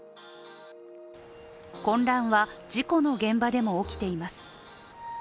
混乱は、事故の現場でも起きています。